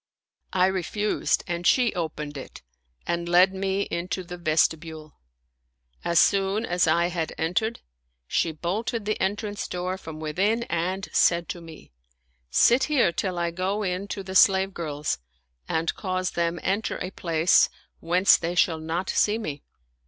I refused and she opened it and led me into the vestibule. As soon as I had entered, she bolted the entrance door from within and said to me, " Sit here till I go in to the slave girls and cause them enter a place whence they shall not see me."